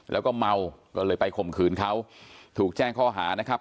แล้วก็เมาก็เลยไปข่มขืนเขาถูกแจ้งข้อหานะครับ